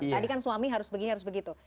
tadi kan suami harus begini harus begitu